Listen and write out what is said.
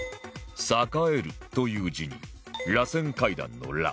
「栄える」という字に「螺旋階段」の「螺」